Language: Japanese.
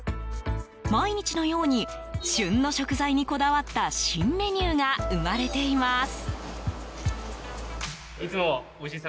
毎日のように旬の食材にこだわった新メニューが生まれています。